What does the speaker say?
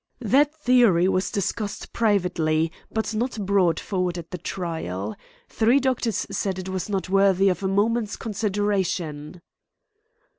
"That theory was discussed privately, but not brought forward at the trial. Three doctors said it was not worthy of a moment's consideration."